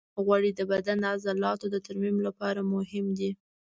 غوړې د بدن د عضلاتو د ترمیم لپاره هم مهمې دي.